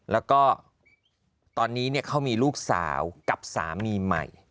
แล้วก็ตอนนี้เขามีลูกสาวกับสามีใหม่